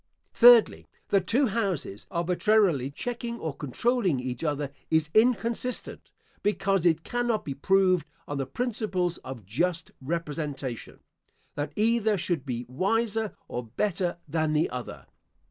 Thirdly, That two houses arbitrarily checking or controlling each other is inconsistent; because it cannot be proved on the principles of just representation, that either should be wiser or better than the other.